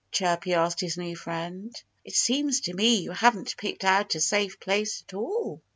Chirpy asked his new friend. "It seems to me you haven't picked out a safe place at all."